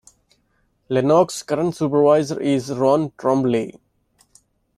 Lenox's current Supervisor is Ron Trombly.